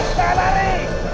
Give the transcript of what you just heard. hei jangan lari